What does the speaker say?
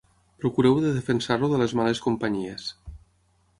Procureu de defensar-lo de les males companyies.